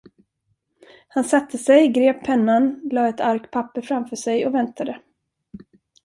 Han satte sig, grep pennan, lade ett ark papper framför sig och väntade.